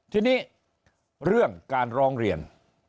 ทีนี้เรื่องการร้องเรียน